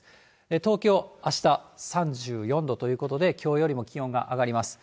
東京、あした３４度ということで、きょうよりも気温が上がります。